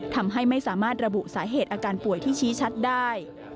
ทำให้ไม่สามารถระบุสาเหตุอาการป่วยที่ชี้ชัดได้